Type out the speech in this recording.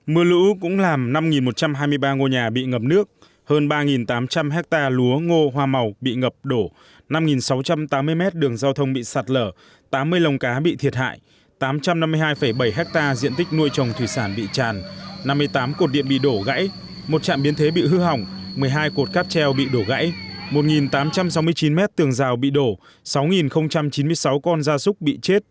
mưa lũ cũng làm năm một trăm hai mươi ba ngôi nhà bị ngập nước hơn ba tám trăm linh hectare lúa ngô hoa màu bị ngập đổ năm sáu trăm tám mươi mét đường giao thông bị sạt lở tám mươi lồng cá bị thiệt hại tám trăm năm mươi hai bảy hectare diện tích nuôi trồng thủy sản bị tràn năm mươi tám cột điện bị đổ gãy một trạm biến thế bị hư hỏng một mươi hai cột cáp treo bị đổ gãy một tám trăm sáu mươi chín mét tường rào bị đổ sáu chín mươi sáu con da súc bị chết